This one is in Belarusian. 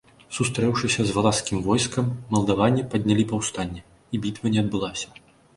Сустрэўшыся з валашскімі войскамі, малдаване паднялі паўстанне, і бітва не адбылася.